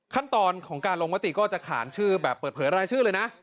ขั้นตอนของการลงมติก็จะขานชื่อแบบเปิดเผยรายชื่อเลยนะ